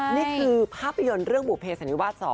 นี่คือภาพยนตร์เรื่องบุคเพศธรรมิวบาท๒